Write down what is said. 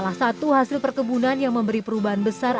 salah satu hasil perkebunan yang memberi perubahan besar